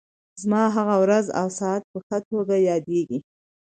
زما هغه ورځ او ساعت په ښه توګه یادېږي.